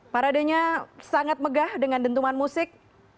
paradenya sangat megah dengan dentuman musik